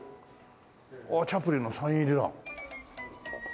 チャップリンのサイン入りだ。